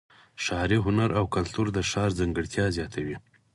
ښاري هنر او کلتور د ښار ځانګړتیا زیاتوي.